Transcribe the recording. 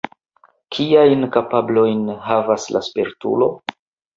Kiajn kapablojn havas la spertulo?